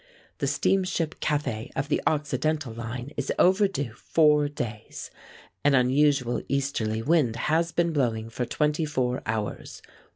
The steamship Cathay of the Occidental Line is overdue four days. An unusual easterly wind has been blowing for twenty four hours.